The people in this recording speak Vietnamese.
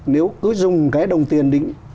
nếu cứ dùng cái đồng tiền định